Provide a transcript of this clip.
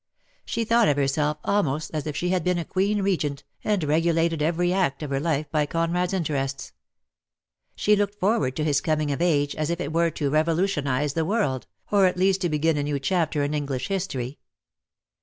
She thought of herself almost as if she had been a Queen Regent, and regulated every act of her life by Conrad's interests. She looked forward to his coming of age as if it were to revolutionise the world, or at least to begin a new chapter in Eng lish history.